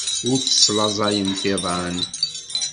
Ur teslaẓayemt iḍan.